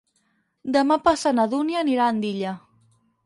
Demà passat na Dúnia anirà a Andilla.